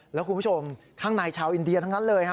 แล้วคุณผู้ชมข้างในชาวอินเดียทั้งนั้นเลยฮะ